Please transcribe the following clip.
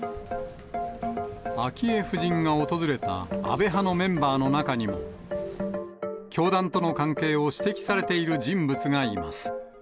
昭恵夫人が訪れた安倍派のメンバーの中にも、教団との関係を指摘されている人物がいます。